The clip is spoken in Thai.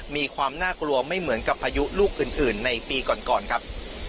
มีความน่ากลัวไม่เหมือนกับพายุลูกอื่นในปีก่อนครับ